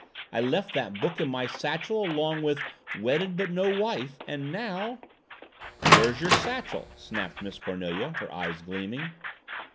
I left that book in my satchel along with 'Wedded But No Wife' and now " "Where's your satchel?" snapped Miss Cornelia, her eyes gleaming.